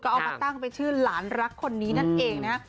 ก็เอามาตั้งไปชื่อหลานรักคนนี้นั่นเองนะครับ